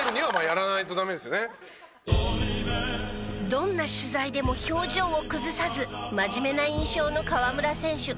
どんな取材でも表情を崩さず真面目な印象の河村選手。